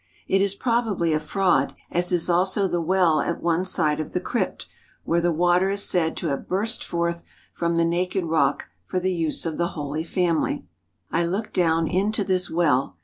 It is probably a fraud, as is also the well at one side of the crypt where the water is said to have burst forth from the naked rock for the use of the Holy Family. I looked down into this well.